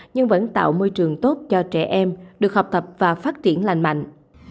nhưng vẫn tạo môi trường tốt cho trẻ em được học tập và phát triển lành mạnh